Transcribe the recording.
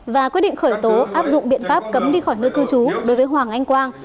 và quyết định khởi tố áp dụng biện pháp cấm đi khỏi nơi cư trú đối với hoàng anh quang